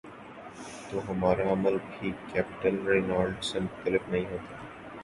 تو ہمارا رد عمل بھی کیپٹن رینالٹ سے مختلف نہیں ہوتا۔